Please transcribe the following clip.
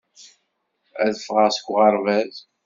Ad ffɣeɣ seg uɣerbaz.